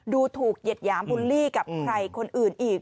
ดูถูกเหยียดหยามบูลลี่กับใครคนอื่นอีก